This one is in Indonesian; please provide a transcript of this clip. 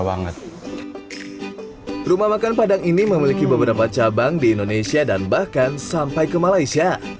banget rumah makan padang ini memiliki beberapa cabang di indonesia dan bahkan sampai ke malaysia